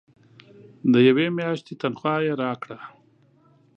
د یوې میاشتي تنخواه یې راکړه.